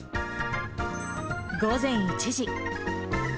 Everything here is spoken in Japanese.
午前１時。